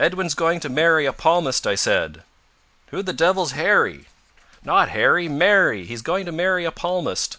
"Edwin's going to marry a palmist," I said. "Who the devil's Harry?" "Not Harry. Marry. He's going to marry a palmist."